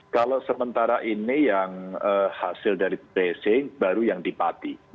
kalau sementara ini yang hasil dari tracing baru yang dipati